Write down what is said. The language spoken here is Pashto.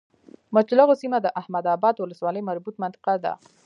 مچلغو سيمه د احمداباد ولسوالی مربوطه منطقه ده